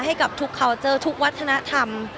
ให้กับทุกเคาน์เจอร์ทุกวัฒนธรรม